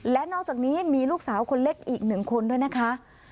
และนอกจากนี้มีลูกสาวคนเล็กอีกหนึ่งคนด้วยนะคะ